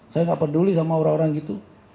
saya nggak peduli sama orang orang gitu